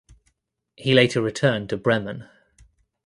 He later returned to Bremen.